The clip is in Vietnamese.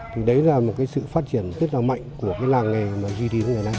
thì đấy là một cái sự phát triển rất là mạnh của cái làng này mà duy trì đến ngày nay